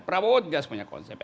prabowo juga punya konsep